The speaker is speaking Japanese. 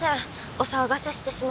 お騒がせしてしまって。